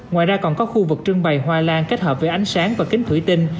ngoài ra còn có khu vực trưng bày hoa lan kết hợp với ánh sáng và kính thủy tinh